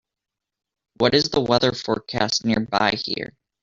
What is the weather forecast nearby here